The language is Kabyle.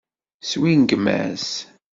Swingem-as.